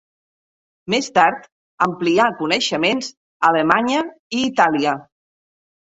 Més tard amplià coneixements a Alemanya i Itàlia.